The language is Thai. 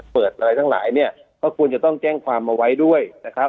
เปิดอะไรทั้งหลายเนี่ยก็ควรจะต้องแจ้งความเอาไว้ด้วยนะครับ